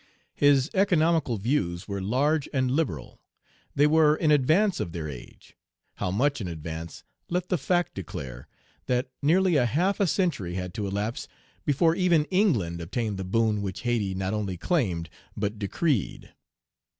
His economical views were large and liberal. They were in advance of their age; how much in advance let the fact declare, that nearly a half a century had to elapse before even England obtained the boon which Hayti not only claimed but decreed.